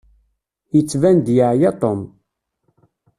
Yettban-d yeɛya Tom.